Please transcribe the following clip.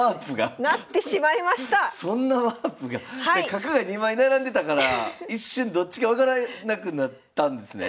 角が２枚並んでたから一瞬どっちか分からなくなったんですね？